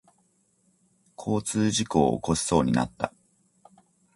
交通事故を起こしそうになった。